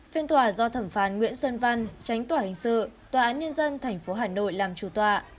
phiên tòa do thẩm phán nguyễn xuân văn tránh tòa hình sự tòa án nhân dân tp hà nội làm chủ tòa